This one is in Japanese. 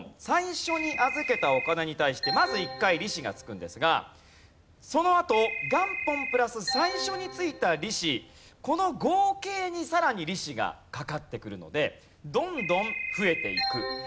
最初に預けたお金に対してまず１回利子が付くんですがそのあと元本プラス最初に付いた利子この合計にさらに利子がかかってくるのでどんどん増えていく。